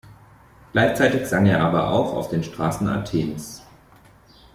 Gleichzeitig sang er aber auch auf den Straßen Athens.